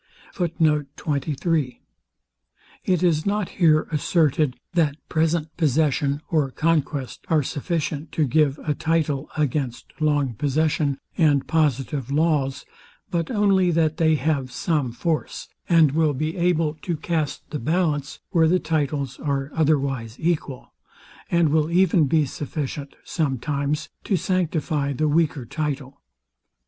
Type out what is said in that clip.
It is not here asserted, that present possession or conquest are sufficient to give a title against long possession and positive laws but only that they have some force, and will be able to call the ballance where the titles are otherwise equal, and will even be sufficient sometimes to sanctify the weaker title.